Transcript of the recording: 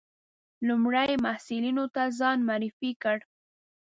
لومړي محصلینو ته ځان معرفي کړ.